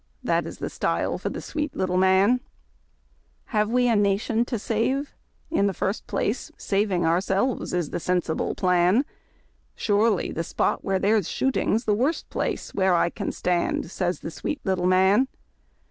That is the style for the sweet little man. SWEET LITTLK SIEN OF 'Gl. Have we a nation to save? In the first place Saving ourselves is the sensible plan. Surely, the spot where there's shooting's the worst place Where I can stand, says the sweet little man.